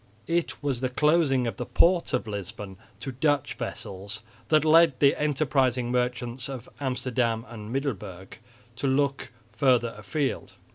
It was the closing of the port of Lisbon to Dutch vessels that led the enterprising merchants of Amsterdam and Middelburg to look further afield.